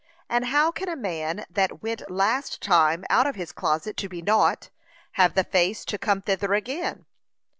And how can a man that went last time out of his closet to be naught, have the face to come thither again?